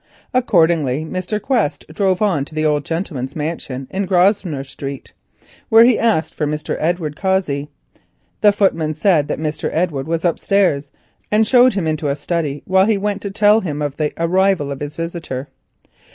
Accordingly Mr. Quest drove on to the old gentleman's mansion in Grosvenor Street, where he asked for Mr. Edward Cossey. The footman said that Mr. Edward was upstairs, and showed him to a study while he went to tell him of the arrival of his visitor.